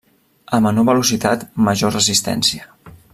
A menor velocitat major resistència.